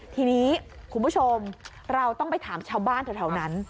ทีนี้คุณผู้ชมเราต้องไปถามชาวบ้านแถวนั้น